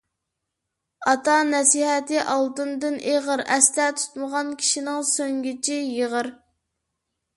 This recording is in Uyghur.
ئاتا نەسىھەتى ئالتۇندىن ئېغىر، ئەستە تۇتمىغان كىشىنىڭ سۆڭگىچى يېغىر.